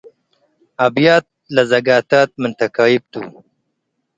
አብያት ለዘጋታት ምን ተካይብ ቱ ።